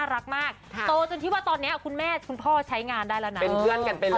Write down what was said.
เรานี่อ่านข่าวมากตั้งแต่เด็ก